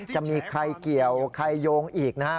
จะมีใครเกี่ยวใครโยงอีกนะครับ